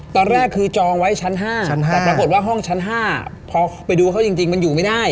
ตอนแรกคือจองไว้ชั้น๕แต่ปรากฏว่าห้องชั้น๕พอไปดูเขาจริงมันอยู่ไม่ได้